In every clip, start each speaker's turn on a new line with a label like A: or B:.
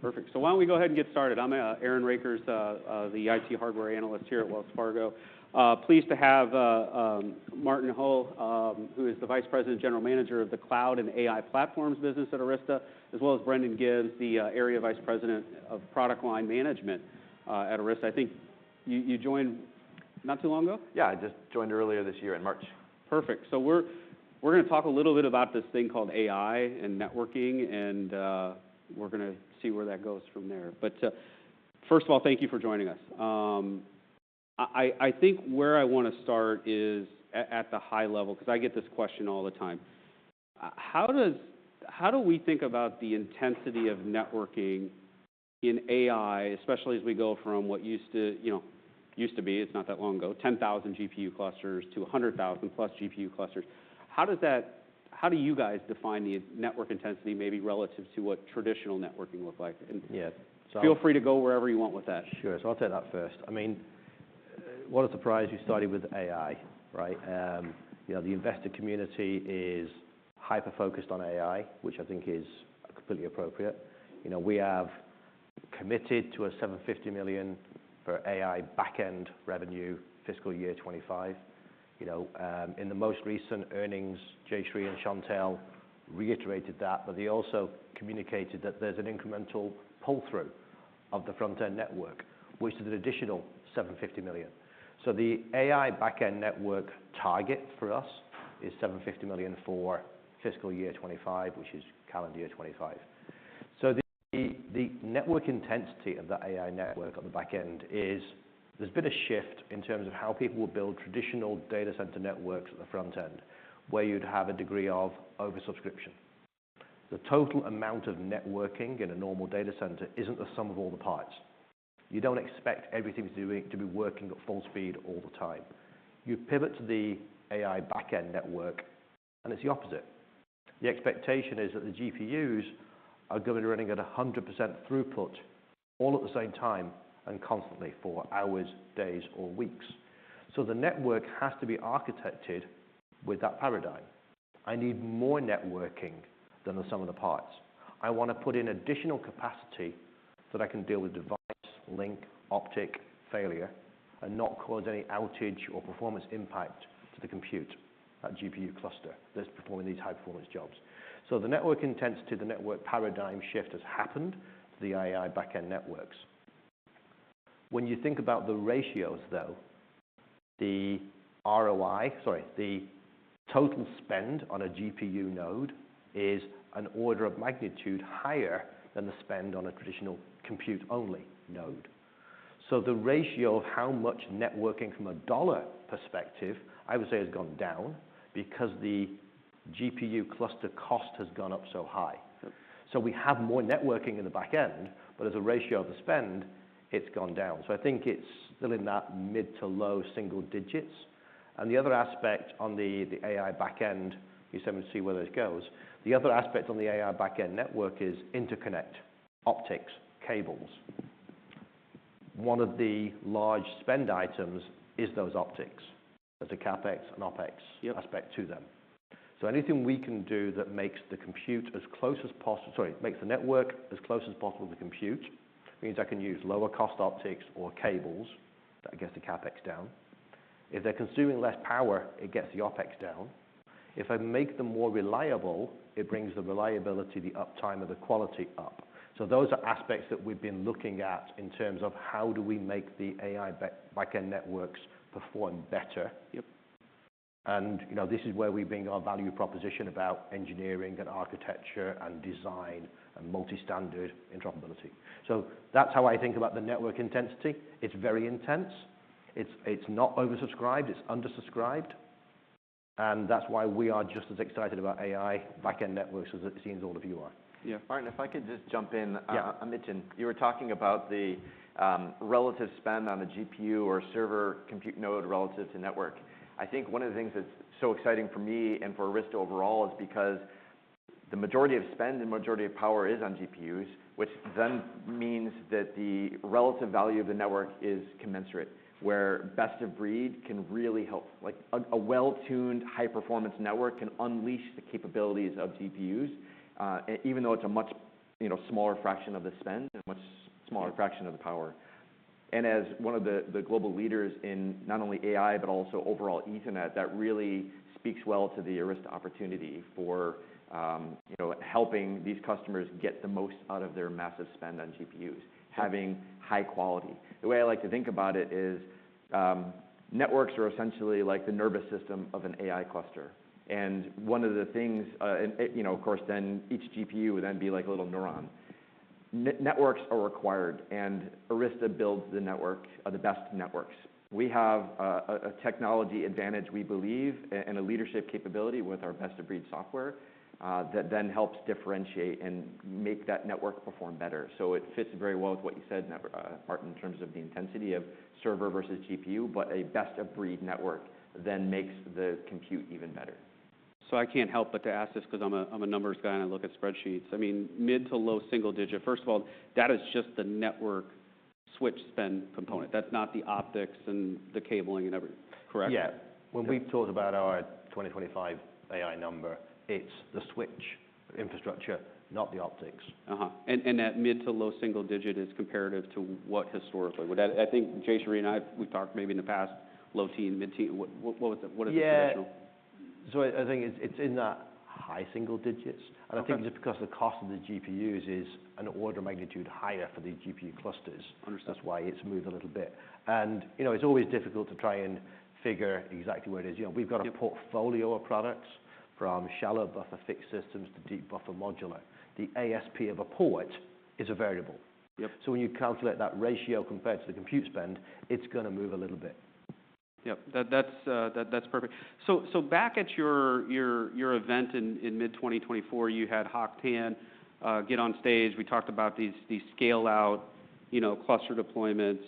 A: Perfect so why don't we go ahead and get started? I'm Aaron Rakers, the IT hardware analyst here at Wells Fargo. Pleased to have Martin Hull, who is the Vice President and General Manager of the Cloud and AI Platforms business at Arista, as well as Brendan Gibbs, the Area Vice President of Product Line Management at Arista i think you joined not too long ago?
B: Yeah, I just joined earlier this year in March.
A: Perfect. So we're going to talk a little bit about this thing called AI and networking, and we're going to see where that goes from there. But first of all, thank you for joining us. I think where I want to start is at the high level, because I get this question all the time. How? do we think about the intensity of networking in AI, especially as we go from what used to be, it's not that long ago, 10,000 GPU clusters to 100,000-plus GPU clusters, How? do you guys define the network intensity, maybe relative to what traditional networking looks like? Yeah.
C: Feel free to go wherever you want with that.
B: Sure.
C: So I'll take that first. I mean, what a surprise we started with AI, right? The investor community is hyper-focused on AI, which I think is completely appropriate. We have committed to a $750 million for AI back-end revenue fiscal year 2025. In the most recent earnings, Jayshree and Chantelle reiterated that, but they also communicated that there's an incremental pull-through of the front-end network, which is an additional $750 million. So the AI back-end network target for us is $750 million for fiscal year 2025, which is calendar year 2025. So the network intensity of that AI network on the back-end is there's been a shift in terms of how people would build traditional data center networks at the front-end, where you'd have a degree of oversubscription. The total amount of networking in a normal data center isn't the sum of all the parts. You don't expect everything to be working at full speed all the time. You pivot to the AI back-end network, and it's the opposite. The expectation is that the GPUs are going to be running at 100% throughput all at the same time and constantly for hours, days, or weeks. So the network has to be architected with that paradigm. I need more networking than the sum of the parts. I want to put in additional capacity so that I can deal with device link optic failure and not cause any outage or performance impact to the compute, that GPU cluster that's performing these high-performance jobs. So the network intensity, the network paradigm shift has happened to the AI back-end networks. When you think about the ratios, though, the ROI, sorry, the total spend on a GPU node, is an order of magnitude higher than the spend on a traditional compute-only node. The ratio of how much networking from a dollar perspective, I would say, has gone down because the GPU cluster cost has gone up so high. We have more networking in the back-end, but as a ratio of the spend, it's gone down i think it's still in that mid to low single digits. The other aspect on the AI back-end, you send me to see where this goes, the other aspect on the AI back-end network is interconnect, optics, cables. One of the large spend items is those optics. There's a CapEx and OpEx aspect to them. Anything we can do that makes the compute as close as possible, sorry, makes the network as close as possible to the compute, means I can use lower-cost optics or cables that get the CapEx down. If they're consuming less power, it gets the OpEx down. If I make them more reliable, it brings the reliability, the uptime, and the quality up. So those are aspects that we've been looking at in terms of how do we make the AI back-end networks perform better. And this is where we bring our value proposition about engineering and architecture and design and multi-standard interoperability. So that's how I think about the network intensity. It's very intense. It's not oversubscribed it's undersubscribed. And that's why we are just as excited about AI back-end networks as it seems all of you are.
B: Yeah. Martin, if I could just jump in.
C: Yeah.
B: I mentioned you were talking about the relative spend on a GPU or server compute node relative to network. I think one of the things that's so exciting for me and for Arista overall is because the majority of spend and majority of power is on GPUs, which then means that the relative value of the network is commensurate, where best of breed can really help a well-tuned, high-performance network can unleash the capabilities of GPUs. Even though it's a much smaller fraction of the spend and a much smaller fraction of the power. And as one of the global leaders in not only AI, but also overall Ethernet, that really speaks well to the Arista opportunity for helping these customers get the most out of their massive spend on GPUs, having high quality. The way I like to think about it is networks are essentially like the nervous system of an AI cluster. And one of the things (of course, then each GPU would then be like a little neuron) Networks are required, and Arista builds the best networks. We have a technology advantage, we believe, and a leadership capability with our best-of-breed software that then helps differentiate and make that network perform better, so it fits very well with what you said, Martin, in terms of the intensity of server versus GPU, but a best-of-breed network then makes the compute even better. So I can't help but to ask this because I'm a numbers guy, and I look at spreadsheets i mean, mid- to low-single-digit, first of all, that is just the network switch spend component. That's not the optics and the cabling and everything, correct?
C: Yeah when we talk about our 2025 AI number, it's the switch infrastructure, not the optics. That mid- to low-single-digit is comparative to what historically? I think Jayshree and I, we've talked maybe in the past, low-teen, mid-teen what is the traditional?
B: Yeah.
C: So I think it's in that high single digits and I think it's because the cost of the GPUs is an order of magnitude higher for the GPU clusters.
A: Understood.
C: That's why it's moved a little bit, and it's always difficult to try and figure exactly where it is we've got a portfolio of products from shallow buffer fixed systems to deep buffer modular. The ASP of a port is a variable, so when you calculate that ratio compared to the compute spend, it's going to move a little bit.
A: Yep. That's perfect. So back at your event in mid-2024, you had Hock Tan get on stage we talked about these scale-out cluster deployments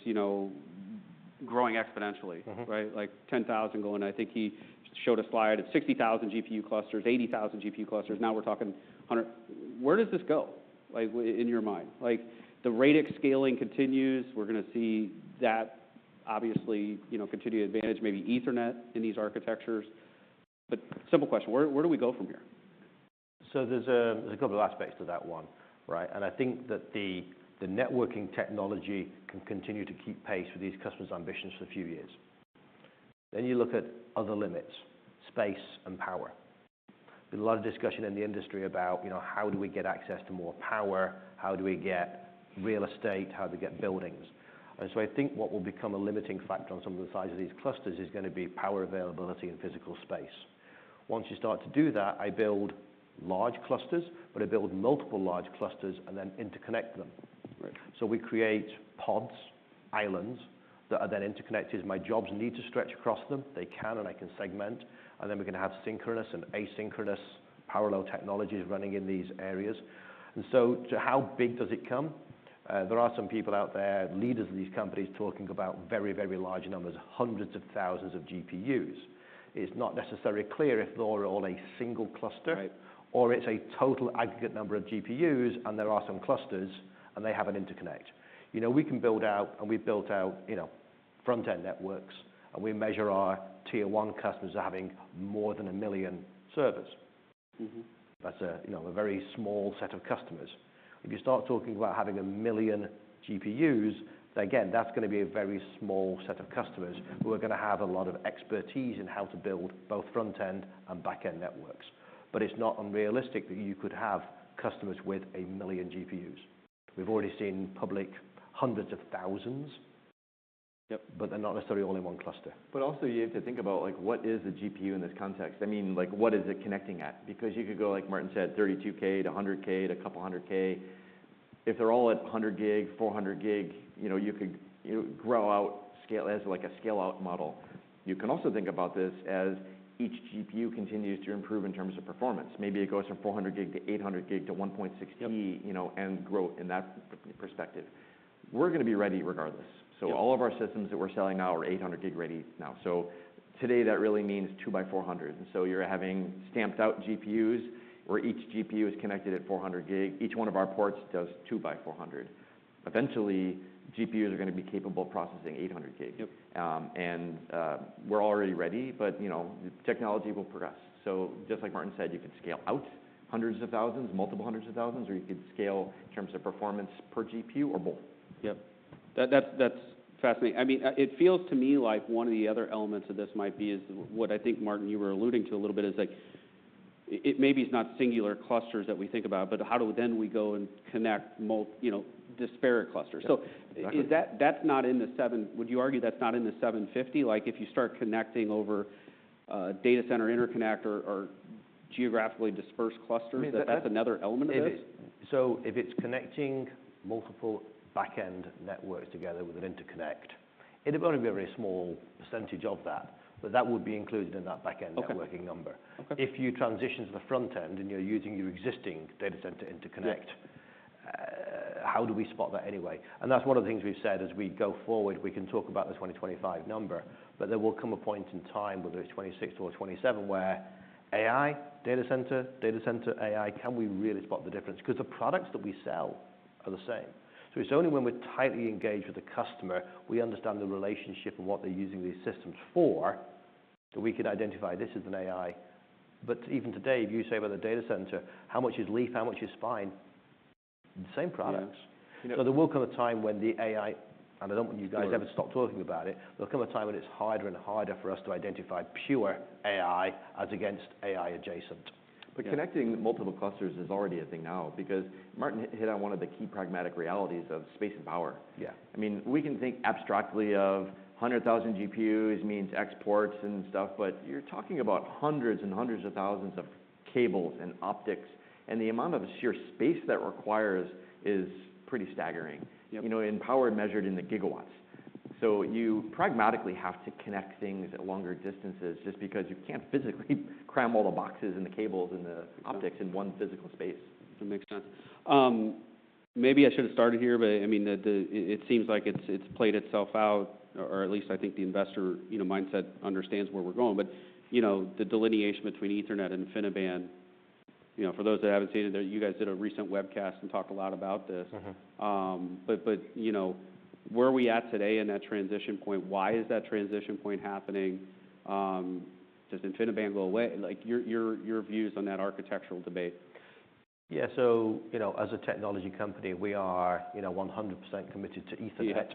A: growing exponentially, right? Like 10,000 going i think he showed a slide it's 60,000 GPU clusters, 80,000 GPU clusters now we're talking 100,000. Where does this go in your mind? The radix scaling continues. We're going to see that obviously continue to advantage, maybe Ethernet in these architectures. But simple question, where do we go from here?
C: So there's a couple of aspects to that one, right? And I think that the networking technology can continue to keep pace with these customers' ambitions for a few years. Then you look at other limits, space and power. There's a lot of discussion in the industry about how do we get access to more power, how do we get real estate, how do we get buildings. And so I think what will become a limiting factor on some of the size of these clusters is going to be power availability and physical space. Once you start to do that, I build large clusters, but I build multiple large clusters and then interconnect them. So we create pods, islands that are then interconnected my jobs need to stretch across them they can, and I can segment. And then we're going to have synchronous and asynchronous parallel technologies running in these areas. And so, too, how big does it get? There are some people out there, leaders of these companies, talking about very, very large numbers, hundreds of thousands of GPUs. It's not necessarily clear if they're all a single cluster or it's a total aggregate number of GPUs, and there are some clusters, and they have an interconnect. We can build out, and we've built out front-end networks, and we measure our tier-one customers are having more than a million servers. That's a very small set of customers. If you start talking about having a million GPUs, again, that's going to be a very small set of customers who are going to have a lot of expertise in how to build both front-end and back-end networks. But it's not unrealistic that you could have customers with a million GPUs. We've already seen public hundreds of thousands, but they're not necessarily all in one cluster.
A: But also, you have to think about what is the GPU in this context? I mean, what is it connecting at? Because you could go, like Martin said, 32K-100K to a couple hundred K. If they're all at 100 Gb, 400 Gb you could grow out, scale as like a scale-out model. You can also think about this as each GPU continues to improve in terms of performance. Maybe it goes from 400Gb-800Gb to 1.6T and grow in that perspective. We're going to be ready regardless. So all of our systems that we're selling now are 800Gb ready now. So today, that really means 2x400. And so you're having stamped-out GPUs where each GPU is connected at 400Gb. Each one of our ports does 2x400. Eventually, GPUs are going to be capable of processing 800 Gb. We're already ready, but technology will progress. Just like Martin said, you could scale out hundreds of thousands, multiple hundreds of thousands, or you could scale in terms of performance per GPU or both. Yep. That's fascinating i mean, it feels to me like one of the other elements of this might be what I think, Martin, you were alluding to a little bit is like it maybe is not singular clusters that we think about, but how do then we go and connect disparate clusters? That's not in the 750 would you argue that's not in the 750? Like if you start connecting over data center interconnect or geographically dispersed clusters, that's another element of this?
B: So if it's connecting multiple back-end networks together with an interconnect, it would only be a very small percentage of that, but that would be included in that back-end networking number. If you transition to the front-end and you're using your existing data center interconnect, How do we spot that anyway? And that's one of the things we've said as we go forward we can talk about the 2025 number, but there will come a point in time, whether it's 2026 or 2027, where AI, data center, data center, AI, can we really spot the difference? Because the products that we sell are the same. So it's only when we're tightly engaged with the customer, we understand the relationship and what they're using these systems for, that we could identify this as an AI. But even today, if you say about the data center, how much is leaf, how much is spine?
A: The same products.
B: So there will come a time when the AI (and I don't want you guys to ever stop talking about it) there'll come a time when it's harder and harder for us to identify pure AI as against AI adjacent. Connecting multiple clusters is already a thing now because Martin hit on one of the key pragmatic realities of space and power. I mean, we can think abstractly of 100,000 GPUs means X ports and stuff, but you're talking about hundreds and hundreds of thousands of cables and optics. The amount of sheer space that requires is pretty staggering. Power measured in the Gigawatts. You pragmatically have to connect things at longer distances just because you can't physically cram all the boxes and the cables and the optics in one physical space.
A: That makes sense. Maybe I should have started here, but I mean, it seems like it's played itself out, or at least I think the investor mindset understands where we're going. But the delineation between Ethernet and InfiniBand, for those that haven't seen it, you guys did a recent webcast and talked a lot about this. But where are we at today in that transition point? Why is that transition point happening? Does InfiniBand go away? Your views on that architectural debate.
C: Yeah. So as a technology company, we are 100% committed to Ethernet.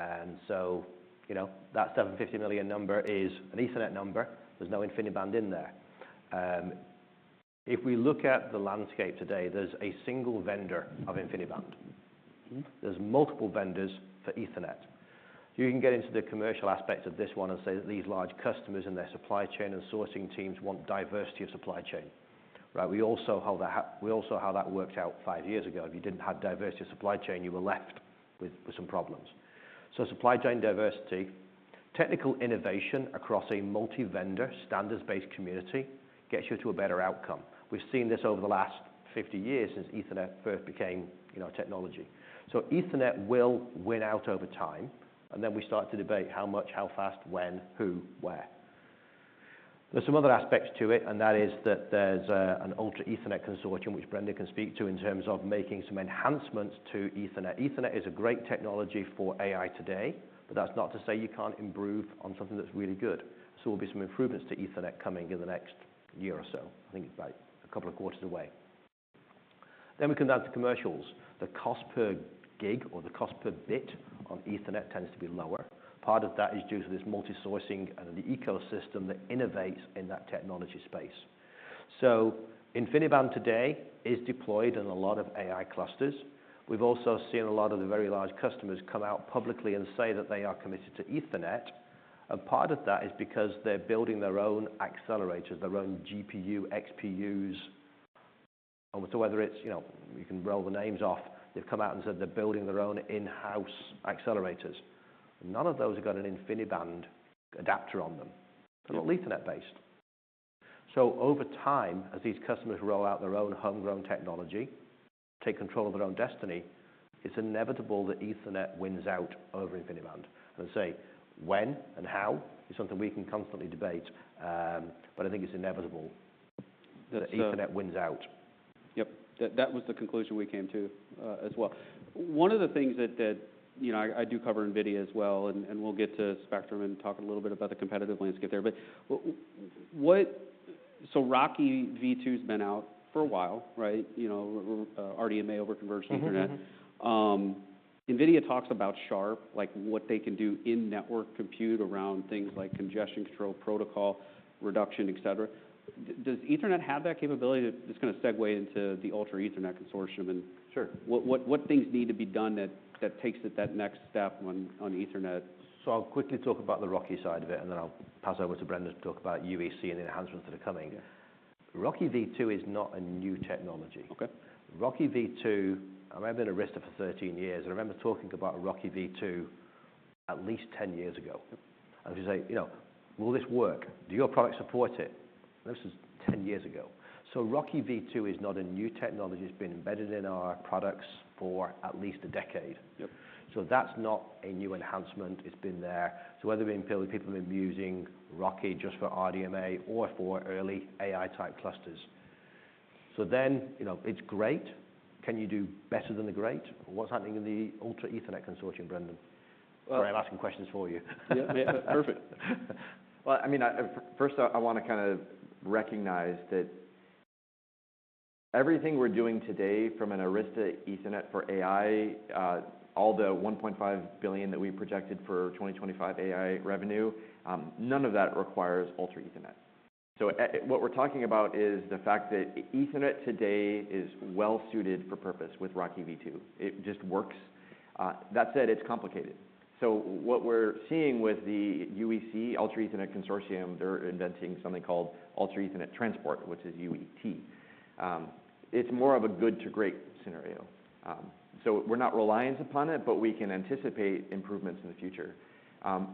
C: And so that 750 million number is an Ethernet number. There's no InfiniBand in there. If we look at the landscape today, there's a single vendor of InfiniBand. There's multiple vendors for Ethernet. You can get into the commercial aspects of this one and say that these large customers and their supply chain and sourcing teams want diversity of supply chain. Right? We also have that worked out five years ago if you didn't have diversity of supply chain, you were left with some problems. So supply chain diversity, technical innovation across a multi-vendor standards-based community gets you to a better outcome. We've seen this over the last 50 years since Ethernet first became technology. So Ethernet will win out over time. And then we start to debate how much, how fast, when, who, where. There's some other aspects to it, and that is that there's an Ultra Ethernet Consortium, which Brendan can speak to in terms of making some enhancements to Ethernet. Ethernet is a great technology for AI today, but that's not to say you can't improve on something that's really good. So there'll be some improvements to Ethernet coming in the next year or so i think it's about a couple of quarters away. Then we come down to commercials. The cost per Gb or the cost per bit on Ethernet tends to be lower. Part of that is due to this multi-sourcing and the ecosystem that innovates in that technology space. So InfiniBand today is deployed in a lot of AI clusters. We've also seen a lot of the very large customers come out publicly and say that they are committed to Ethernet. And part of that is because they're building their own accelerators, their own GPU, XPUs. So whether it's, you can roll the names off. They've come out and said they're building their own in-house accelerators. None of those have got an InfiniBand adapter on them. They're all Ethernet-based. So over time, as these customers roll out their own homegrown technology, take control of their own destiny, it's inevitable that Ethernet wins out over InfiniBand and I say when and how is something we can constantly debate, but I think it's inevitable that Ethernet wins out.
A: Yep. That was the conclusion we came to as well. One of the things that I do cover NVIDIA as well, and we'll get to Spectrum and talk a little bit about the competitive landscape there, so Rocky V2 has been out for a while, right? RDMA over Converged Ethernet. NVIDIA talks about SHARP like what they can do in network compute around things like congestion control, protocol reduction, etc. Does Ethernet have that capability? Just going to segue into the Ultra Ethernet Consortium and what things need to be done that takes it that next step on Ethernet.
C: So I'll quickly talk about the RoCE v2 side of it, and then I'll pass over to Brendan to talk about UEC and the enhancements that are coming. RoCE v2 is not a new technology. RoCE v2, I've been at Arista for 13 years, and I remember talking about RoCE v2 at least 10 years ago. And she's like, "Will this work? Do your products support it?" This was 10 years ago. So RoCE v2 is not a new technology. It's been embedded in our products for at least a decade. So that's not a new enhancement it's been there. So whether people have been using RoCE just for RDMA or for early AI-type clusters. So then it's great. Can you do better than the great? What's happening in the Ultra Ethernet Consortium, Brendan? Sorry, I'm asking questions for you.
B: Yeah. Perfect. Well, I mean, first, I want to kind of recognize that everything we're doing today from an Arista Ethernet for AI, all the $1.5 billion that we projected for 2025 AI revenue, none of that requires Ultra Ethernet. So what we're talking about is the fact that Ethernet today is well-suited for purpose with RoCE v2. It just works. That said, it's complicated. So what we're seeing with the UEC, Ultra Ethernet Consortium, they're inventing something called Ultra Ethernet Transport, which is UET. It's more of a good-to-great scenario. So we're not reliant upon it, but we can anticipate improvements in the future.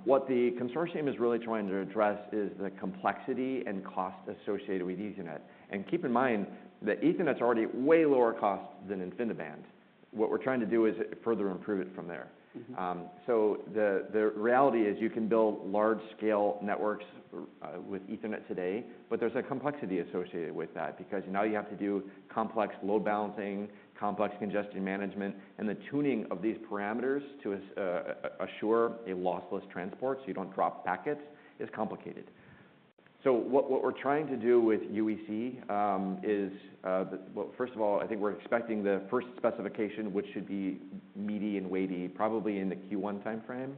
B: What the consortium is really trying to address is the complexity and cost associated with Ethernet. And keep in mind that Ethernet's already way lower cost than InfiniBand. What we're trying to do is further improve it from there. So the reality is you can build large-scale networks with Ethernet today, but there's a complexity associated with that because now you have to do complex load balancing, complex congestion management, and the tuning of these parameters to assure a lossless transport so you don't drop packets is complicated. So what we're trying to do with UEC is, well, first of all, I think we're expecting the first specification, which should be meaty and weighty, probably in the Q1 timeframe.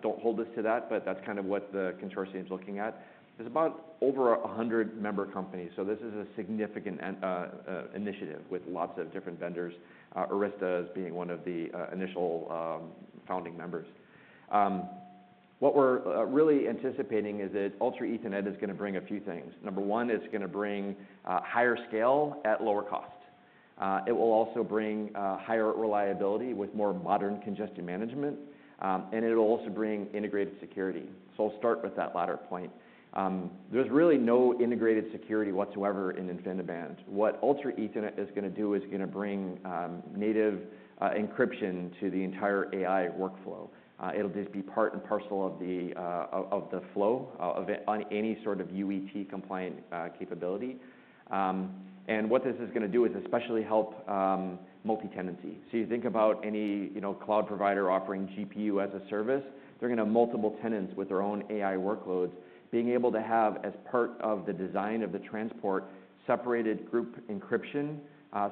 B: Don't hold us to that, but that's kind of what the consortium is looking at. There's about over 100 member companies so this is a significant initiative with lots of different vendors, Arista as being one of the initial founding members. What we're really anticipating is that Ultra Ethernet is going to bring a few things, Number one, it's going to bring higher scale at lower cost. It will also bring higher reliability with more modern congestion management, and it'll also bring integrated security so I'll start with that latter point. There's really no integrated security whatsoever in InfiniBand what Ultra Ethernet is going to do is going to bring native encryption to the entire AI workflow. It'll just be part and parcel of the flow of any sort of UET compliant capability. And what this is going to do is especially help multi-tenancy. So you think about any cloud provider offering GPU as a service. They're going to have multiple tenants with their own AI workloads, being able to have, as part of the design of the transport, separated group encryption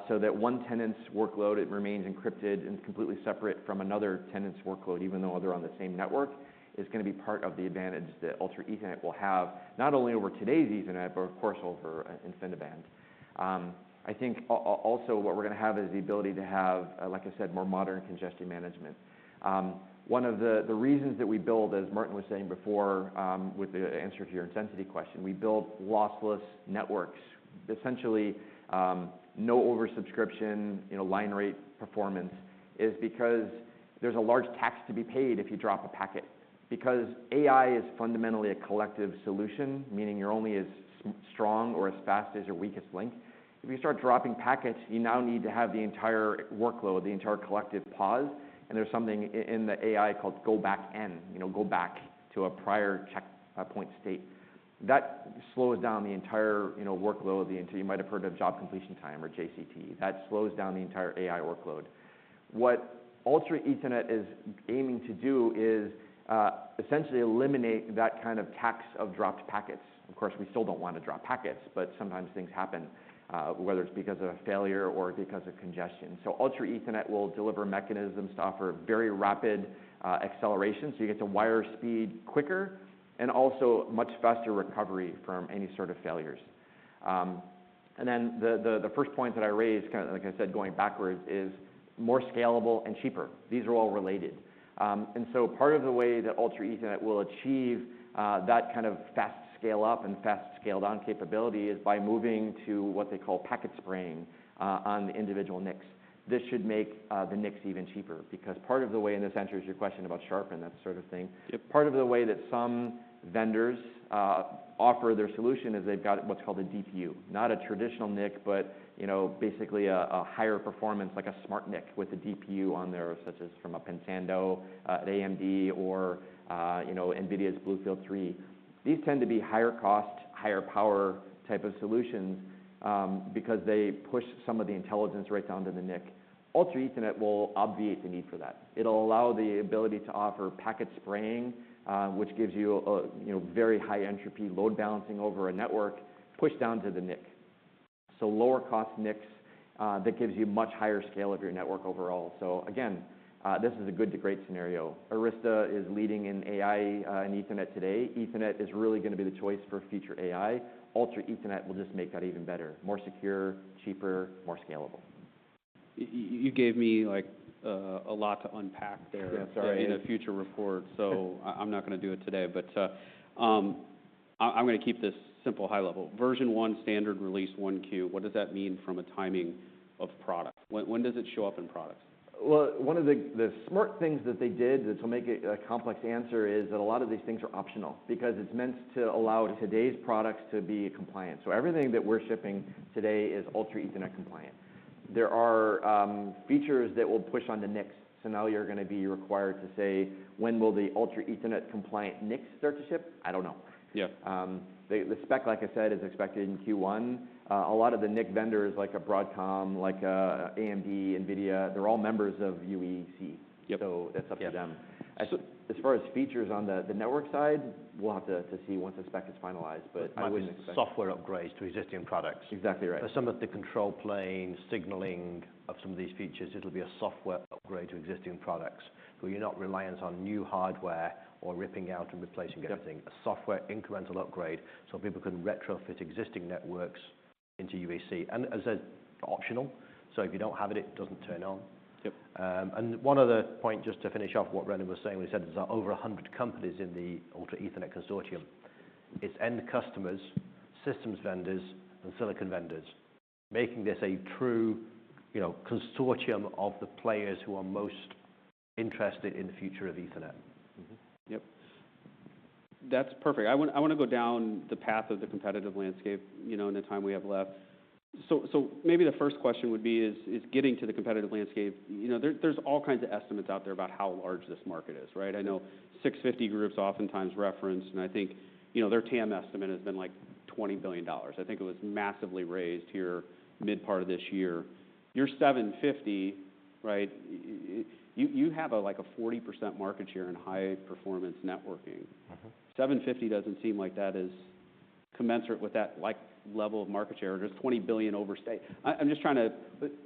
B: so that one tenant's workload, it remains encrypted and completely separate from another tenant's workload, even though they're on the same network, is going to be part of the advantage that Ultra Ethernet will have, not only over today's Ethernet, but of course over InfiniBand. I think also what we're going to have is the ability to have, like I said, more modern congestion management. One of the reasons that we build, as Martin was saying before with the answer to your intensity question, we build lossless networks. Essentially, no oversubscription, line rate performance is because there's a large tax to be paid if you drop a packet. Because AI is fundamentally a collective solution, meaning you're only as strong or as fast as your weakest link. If you start dropping packets, you now need to have the entire workload, the entire collective pause, and there's something in the AI called Go-Back-N, go back to a prior checkpoint state. That slows down the entire workload until you might have heard of job completion time or JCT that slows down the entire AI workload. What Ultra Ethernet is aiming to do is essentially eliminate that kind of tax of dropped packet of course, we still don't want to drop packets, but sometimes things happen, whether it's because of a failure or because of congestion so Ultra Ethernet will deliver mechanisms to offer very rapid acceleration so you get to wire speed quicker and also much faster recovery from any sort of failures. Then the first point that I raised, kind of like I said, going backwards, is more scalable and cheaper. These are all related. So part of the way that Ultra Ethernet will achieve that kind of fast scale-up and fast scale-down capability is by moving to what they call packet spraying on the individual NICs. This should make the NICs even cheaper because part of the way, and this answers your question about Sharp and that sort of thing, part of the way that some vendors offer their solution is they've got what's called a DPU, not a traditional NIC, but basically a higher performance, like a smart NIC with a DPU on there, such as from a Pensando at AMD or NVIDIA's BlueField-3. These tend to be higher cost, higher power type of solutions because they push some of the intelligence right down to the NIC. Ultra Ethernet will obviate the need for that. It'll allow the ability to offer packet spraying, which gives you very high entropy load balancing over a network pushed down to the NIC. So lower cost NICs that gives you much higher scale of your network overall o again, this is a good-to-great scenario. Arista is leading in AI and Ethernet today, Ethernet is really going to be the choice for future AI. Ultra Ethernet will just make that even better, more secure, cheaper, more scalable.
A: You gave me a lot to unpack there in a future report, so I'm not going to do it today, but I'm going to keep this simple, high level. Version one standard release one Q, what does that mean from a timing of product? When does it show up in products?
B: One of the smart things that they did to make it a complex answer is that a lot of these things are optional because it's meant to allow today's products to be compliant everything that we're shipping today is Ultra Ethernet compliant. There are features that will push on the NICs now you're going to be required to say, "When will the Ultra Ethernet compliant NICs start to ship?" I don't know. The spec, like I said, is expected in Q1. A lot of the NIC vendors, like a Broadcom, like AMD, NVIDIA, they're all members of UEC that's up to them. As far as features on the network side, we'll have to see once the spec is finalized, but I wouldn't expect. It's basically software upgrades to existing products.
C: Exactly right for some of the control plane, signaling of some of these features, it'll be a software upgrade to existing products. So you're not reliant on new hardware or ripping out and replacing everything a software incremental upgrade so people can retrofit existing networks into UEC and as I said, optional. So if you don't have it, it doesn't turn on. And one other point, just to finish off what Brendan was saying, we said there's over 100 companies in the Ultra Ethernet Consortium. It's end customers, systems vendors, and silicon vendors, making this a true consortium of the players who are most interested in the future of Ethernet.
A: Yep. That's perfect. I want to go down the path of the competitive landscape in the time we have left. So maybe the first question would be is getting to the competitive landscape. There's all kinds of estimates out there about how large this market is, right? I know 650 Group is oftentimes referenced, and I think their TAM estimate has been like $20 billion i think it was massively raised here mid-2023. Your 750, right? You have like a 40% market share in high-performance networking. 750 doesn't seem like that is commensurate with that level of market share there's $20 billion overall. I'm just trying to.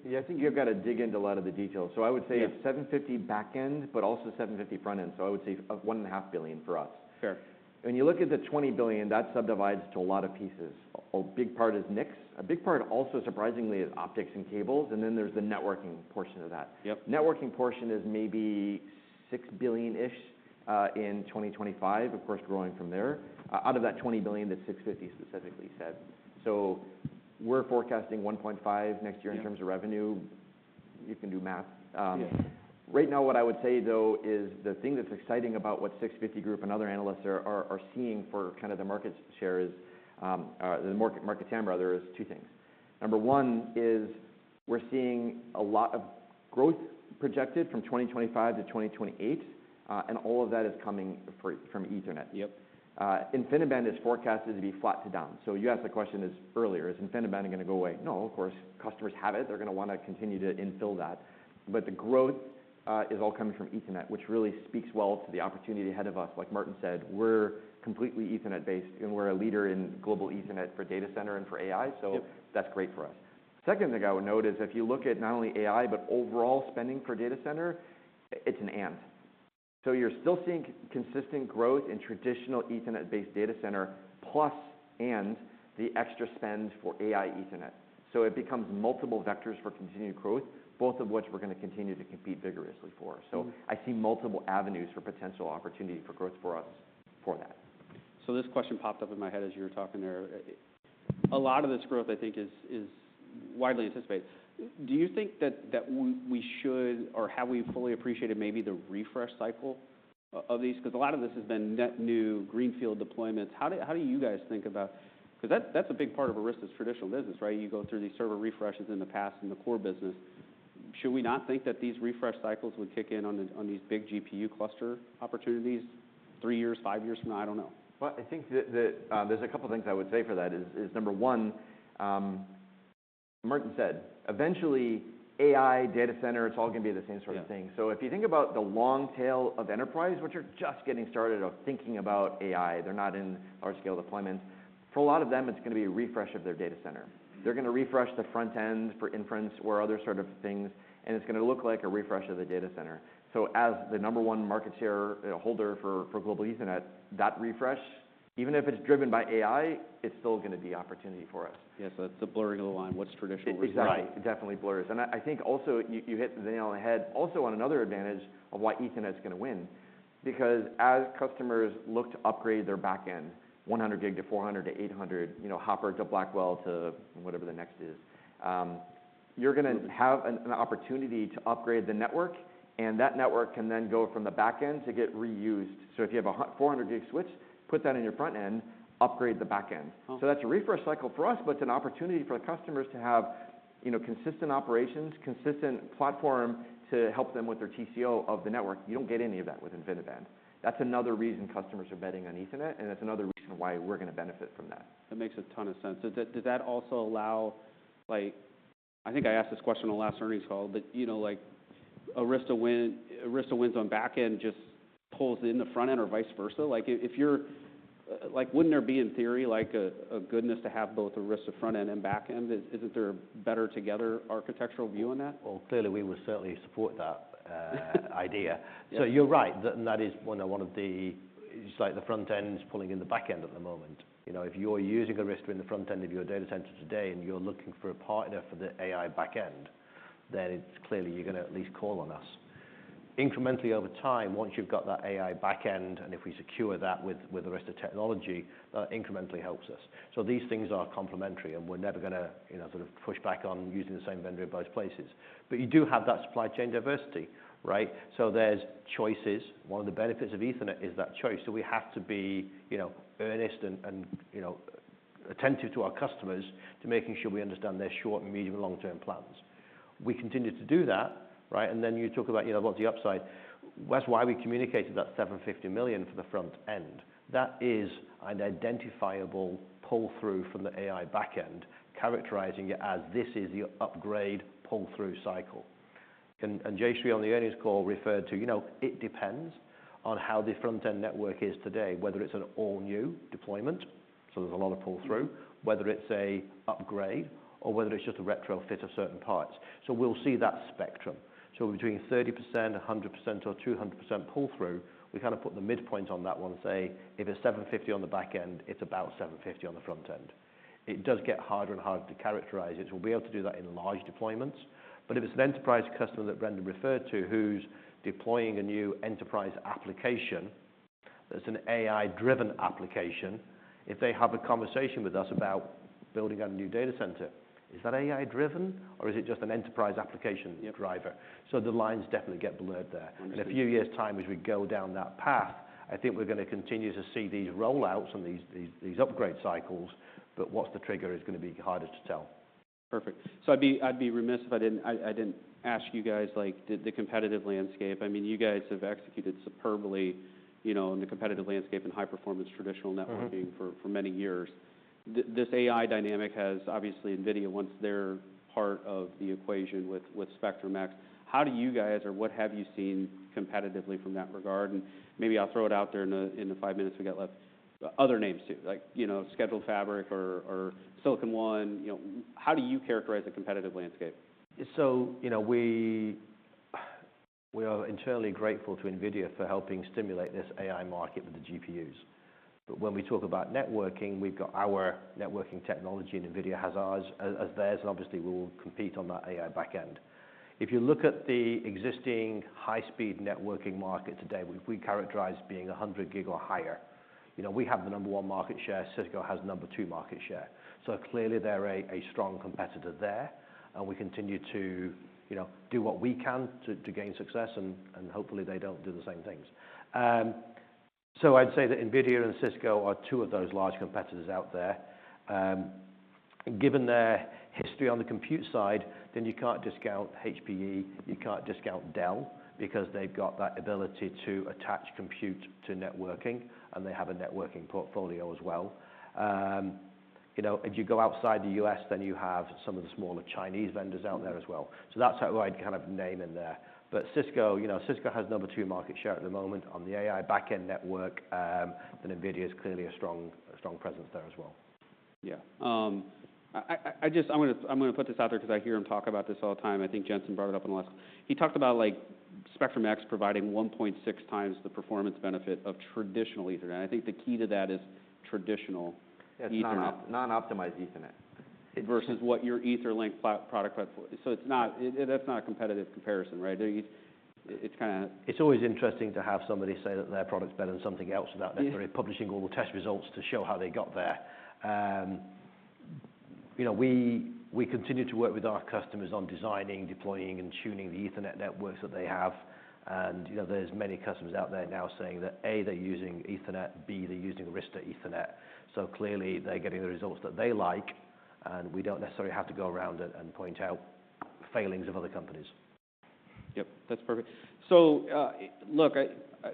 B: Yeah, i think you've got to dig into a lot of the details so I would say it's $750 million back-end, but also $750 million front-end so I would say $1.5 billion for us. When you look at the $20 billion, that subdivides to a lot of pieces. A big part is NICs. A big part also, surprisingly, is optics and cables, and then there's the networking portion of that. Networking portion is maybe $6 billion-ish in 2025, of course, growing from there. Out of that $20 billion, the 650 Group specifically said. So we're forecasting $1.5 billion next year in terms of revenue. You can do math. Right now, what I would say, though, is the thing that's exciting about what 650 Group and other analysts are seeing for kind of the market share is the market TAM broader is two things. Number one is we're seeing a lot of growth projected from 2025-2028, and all of that is coming from Ethernet. InfiniBand is forecasted to be flat to down. So you asked the question earlier, is InfiniBand going to go away? No, of course. Customers have it they're going to want to continue to infill that. But the growth is all coming from Ethernet, which really speaks well to the opportunity ahead of us. Like Martin said, we're completely Ethernet-based, and we're a leader in global Ethernet for data center and for AI so that's great for us. Second thing I would note is if you look at not only AI, but overall spending for data center, it's an end. So you're still seeing consistent growth in traditional Ethernet-based data center, plus and the extra spend for AI Ethernet. So it becomes multiple vectors for continued growth, both of which we're going to continue to compete vigorously for so I see multiple avenues for potential opportunity for growth for us for that.
A: So this question popped up in my head as you were talking there. A lot of this growth, I think, is widely anticipated. Do you think? that we should, or have we fully appreciated maybe the refresh cycle of these? Because a lot of this has been net new greenfield deployments how do you guys think about it?
C: Because that's a big part of Arista's traditional business, right? You go through these server refreshes in the past in the core business. Should we not think that these refresh cycles would kick in on these big GPU cluster opportunities three years, five years from now? I don't know.
B: Well, I think that there's a couple of things I would say for that is number one, Martin said, eventually AI, data center, it's all going to be the same sort of thing so if you think about the long tail of enterprise, which are just getting started of thinking about AI, they're not in large-scale deployments. For a lot of them, it's going to be a refresh of their data center. They're going to refresh the front-end for inference or other sort of things, and it's going to look like a refresh of the data center. So as the number one market share holder for global Ethernet, that refresh, even if it's driven by AI, it's still going to be opportunity for us.
C: Yeah, so that's the blurring of the line. What's traditional?
B: Exactly it definitely blurs, and I think also you hit the nail on the head also on another advantage of why Ethernet's going to win, because as customers look to upgrade their backend, 100 Gbto 400Gb to 800Gb, Hopper to Blackwell to whatever the next is. You're going to have an opportunity to upgrade the network, and that network can then go from the backend to get reused, so if you have a 400Gb switch, put that in your frontend, upgrade the backend, so that's a refresh cycle for us, but it's an opportunity for customers to have consistent operations, consistent platform to help them with their TCO of the network you don't get any of that with InfiniBand. That's another reason customers are betting on Ethernet, and it's another reason why we're going to benefit from that.
A: That makes a ton of sense does that also allow? I think I asked this question on the last earnings call, but Arista wins on backend just pulls in the frontend or vice versa wouldn't there be in theory a goodness to have both Arista frontend and backend? Isn't there a better together architectural view on that?
C: Clearly, we would certainly support that idea. So you're right, and that is one of the, it's like the frontend is pulling in the backend at the moment. If you're using Arista in the frontend of your data center today and you're looking for a partner for the AI backend, then it's clearly you're going to at least call on us. Incrementally over time, once you've got that AI backend, and if we secure that with Arista technology, that incrementally helps us. So these things are complementary, and we're never going to sort of push back on using the same vendor in both places. But you do have that supply chain diversity, right? So there's choices. One of the benefits of Ethernet is that choice so we have to be earnest and attentive to our customers to making sure we understand their short, medium, and long-term plans. We continue to do that, right? And then you talk about what's the upside. That's why we communicated that $750 million for the frontend. That is an identifiable pull-through from the AI backend, characterizing it as this is the upgrade pull-through cycle. And Jayshree on the earnings call referred to, it depends on how the frontend network is today, whether it's an all-new deployment, so there's a lot of pull-through, whether it's an upgrade, or whether it's just a retrofit of certain parts. So we'll see that spectrum. So between 30%, 100%, or 200% pull-through, we kind of put the midpoint on that one, say, if it's $750 million on the backend, it's about $750 million on the frontend. It does get harder and harder to characterize we'll be able to do that in large deployments. But if it's an enterprise customer that Brendan referred to, who's deploying a new enterprise application, that's an AI-driven application, if they have a conversation with us about building a new data center, is that AI-driven?, or is it just an enterprise application driven? So the lines definitely get blurred there. In a few years' time, as we go down that path, I think we're going to continue to see these rollouts and these upgrade cycles, but what's the trigger is going to be harder to tell.
A: Perfect. So I'd be remiss if I didn't ask you guys the competitive landscape i mean, you guys have executed superbly in the competitive landscape and high-performance traditional networking for many years. This AI dynamic has obviously NVIDIA, once they're part of the equation with Spectrum-X. How do you guys?, or what have you seen competitively from that regard? And maybe I'll throw it out there in the five minutes we got left. Other names too, like Scheduled Fabric or Silicon One. How do you? characterize the competitive landscape?
C: So we are eternally grateful to NVIDIA for helping stimulate this AI market with the GPUs. But when we talk about networking, we've got our networking technology, and NVIDIA has ours as theirs, and obviously we will compete on that AI backend. If you look at the existing high-speed networking market today, we characterize being 100Gb or higher. We have the number one market share Cisco has number two market share. So clearly they're a strong competitor there, and we continue to do what we can to gain success, and hopefully they don't do the same things. So I'd say that NVIDIA and Cisco are two of those large competitors out there. Given their history on the compute side, then you can't discount HPE you can't discount Dell because they've got that ability to attach compute to networking, and they have a networking portfolio as well. If you go outside the U.S., then you have some of the smaller Chinese vendors out there as well. So that's how I'd kind of name in there. But Cisco has number two market share at the moment on the AI back-end network. Then NVIDIA is clearly a strong presence there as well.
A: Yeah. I'm going to put this out there because I hear him talk about this all the time i think Jensen brought it up in the last. He talked about Spectrum-X providing 1.6 times the performance benefit of traditional Ethernet i think the key to that is traditional Ethernet.
C: Non-optimized Ethernet versus what your EtherLink product platform. So that's not a competitive comparison, right? It's kind of. It's always interesting to have somebody say that their product's better than something else without necessarily publishing all the test results to show how they got there. We continue to work with our customers on designing, deploying, and tuning the Ethernet networks that they have. And there's many customers out there now saying that, A, they're using Ethernet, B, they're using Arista Ethernet. So clearly they're getting the results that they like, and we don't necessarily have to go around and point out failings of other companies.
A: Yep. That's perfect. So look,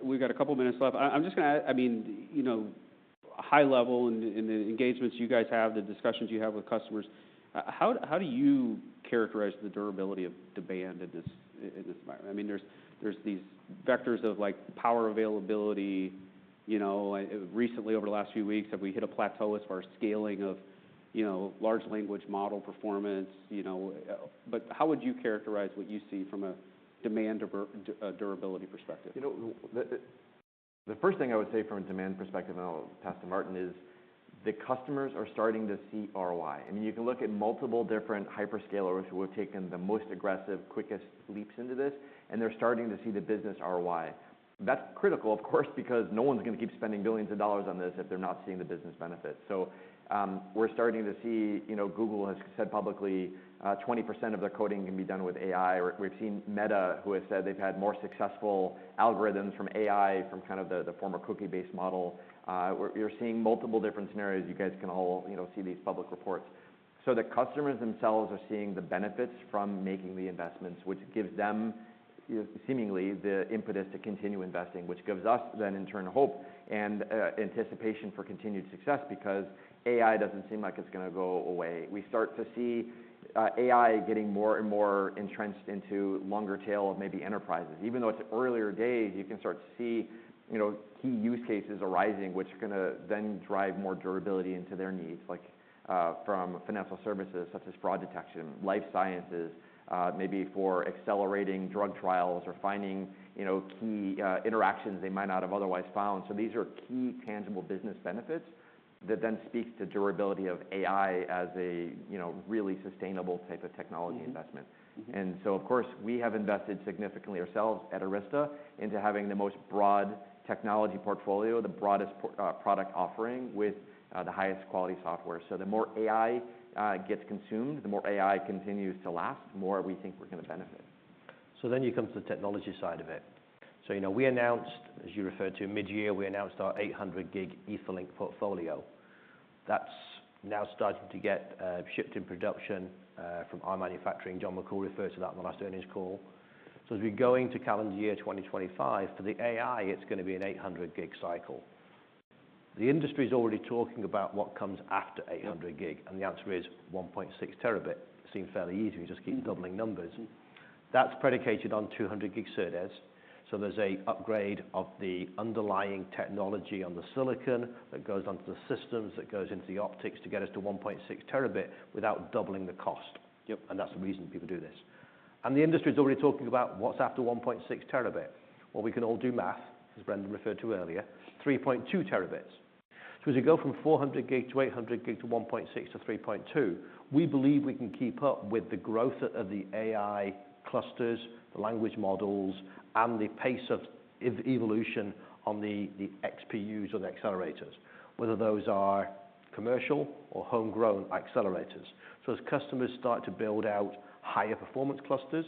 A: we've got a couple of minutes left. I'm just going to add, I mean, high level in the engagements you guys have, the discussions you have with customers, how do you characterize the durability of demand in this environment? I mean, there's these vectors of power availability. Recently, over the last few weeks, have we hit a plateau as far as scaling of large language model performance, But how? would you characterize what you see from a demand durability perspective?
B: The first thing I would say from a demand perspective, and I'll pass to Martin, is the customers are starting to see ROI i mean, you can look at multiple different hyperscalers who have taken the most aggressive, quickest leaps into this, and they're starting to see the business ROI. That's critical, of course, because no one's going to keep spending billions of dollars on this if they're not seeing the business benefits. So we're starting to see Google has said publicly 20% of their coding can be done with AI we've seen Meta who has said they've had more successful algorithms from AI, from kind of the former cookie-based model. You're seeing multiple different scenarios you guys can all see these public reports. So the customers themselves are seeing the benefits from making the investments, which gives them seemingly the impetus to continue investing, which gives us then in turn hope and anticipation for continued success because AI doesn't seem like it's going to go away we start to see. AI getting more and more entrenched into longer tail of maybe enterprises even though it's earlier days you can start to see key use cases arising, which are going to then drive more durability into their needs, like from financial services such as fraud detection, life sciences, maybe for accelerating drug trials or finding key interactions they might not have otherwise found so these are key tangible business benefits that then speak to durability of AI as a really sustainable type of technology investment. Of course, we have invested significantly ourselves at Arista into having the most broad technology portfolio, the broadest product offering with the highest quality software the more AI gets consumed, the more AI continues to last, the more we think we're going to benefit.
C: Then you come to the technology side of it. We announced, as you referred to, mid-year, our 800 Gb Ethernet portfolio. That's now starting to get shipped in production from our manufacturing John McCool referred to that in the last earnings call. As we're going to calendar year 2025, for the AI, it's going to be an 800 Gb cycle. The industry is already talking about what comes after 800 Gb, and the answer is 1.6 Terabit. It seems fairly easy we just keep doubling numbers. That's predicated on 200 Gb SerDes. There's an upgrade of the underlying technology on the silicon that goes onto the systems that goes into the optics to get us to 1.6 terabit without doubling the cost. That's the reason people do this. The industry is already talking about what's after 1.6 terabit. We can all do math, as Brendan referred to earlier, 3.2 terabits. As we go from 400 Gb800 Gb to 1.6 to 3.2, we believe we can keep up with the growth of the AI clusters, the language models, and the pace of evolution on the XPUs or the accelerators Whether those are commercial or homegrown accelerators as customers start to build out higher performance clusters,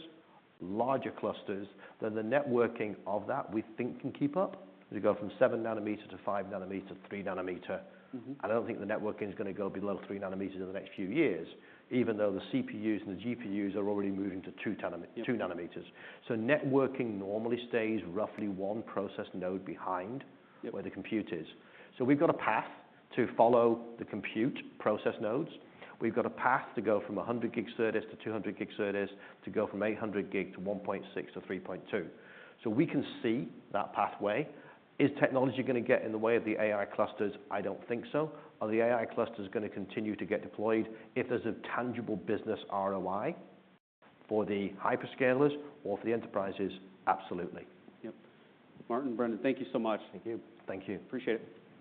C: larger clusters, then the networking of that we think can keep up. We go from 7 nanometer to 5 nanometer to 3 nanometer. And I don't think the networking is going to go below 3 nanometers in the next few years, even though the CPUs and the GPUs are already moving to 2 nanometers. So networking normally stays roughly one process node behind where the compute is. So we've got a path to follow the compute process nodes. We've got a path to go from 100 Gb SerDes to 200 Gb SerDes to go from 800 Gb to 1.6 to 3.2. So we can see that pathway. Is technology going to get in the way of the AI clusters I don't think so? Are the AI clusters going to continue to get deployed if there's a tangible business ROI for the hyperscalers or for the enterprises? Absolutely.
A: Yep. Martin, Brendan, thank you so much.
C: Thank you.
A: Appreciate it.